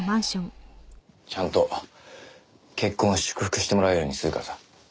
ちゃんと結婚を祝福してもらえるようにするからさ。